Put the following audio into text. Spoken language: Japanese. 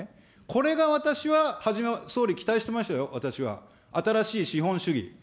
これが私は、初めは総理、期待してましたよ、私は、新しい資本主義。